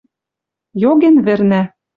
Йоген вӹрнӓ